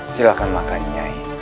silahkan makan nyai